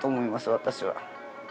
私は。